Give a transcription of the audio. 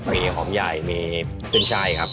มีหอมใหญ่มีกุญชัยครับ